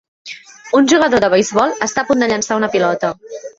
Un jugador de beisbol està a punt de llançar una pilota.